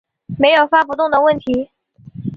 没有发不动的问题